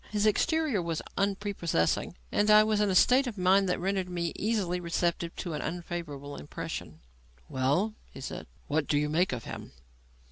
His exterior was unprepossessing, and I was in a state of mind that rendered me easily receptive of an unfavourable impression. "Well," he said, "what do you make of him?"